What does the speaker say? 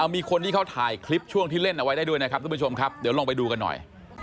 มีคนที่เขาถ่ายคลิปช่วงที่เล่นเอาไว้ได้ด้วยนะครับทุกผู้ชมครับเดี๋ยวลองไปดูกันหน่อย